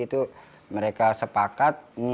itu mereka sepakat nyir